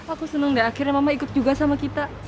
aku senang deh akhirnya mama ikut juga sama kita